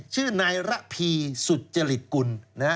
ชื่อนายระพีสุจริตกุล